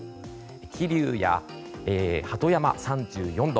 桐生や鳩山は３４度。